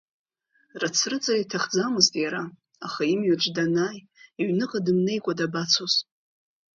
Рыцрыҵра иҭахӡамызт иара, аха, имҩаҿ данааи, иҩныҟа дымнеикәа дабацоз.